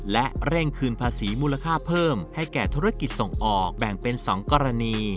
และเร่งคืนภาษีมูลค่าเพิ่มให้แก่ธุรกิจส่งออกแบ่งเป็น๒กรณี